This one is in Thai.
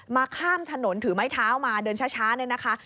ข้ามถนนถือไม้เท้ามาเดินช้าเนี่ยนะคะ